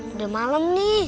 udah malem nih